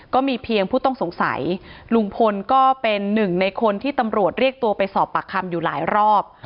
ก็มีเพียงผู้ต้องสงสัยลุงพลก็เป็นหนึ่งในคนที่ตำรวจเรียกตัวไปสอบปากคำอยู่หลายรอบ